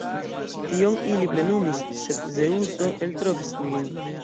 Tion ili plenumis, sed Zeŭso eltrovis ilin.